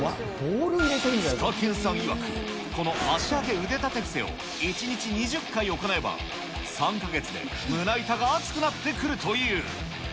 ツカケンさんいわく、この足上げ腕立て伏せを１日２０回行えば、３か月で胸板が厚くなってくるという。